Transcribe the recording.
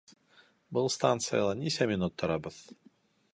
Был станцияла нисә минут торабыҙ?